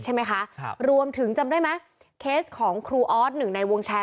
ใช่ไหมคะครับรวมถึงจำได้ไหมเคสของครูออสหนึ่งในวงแชร์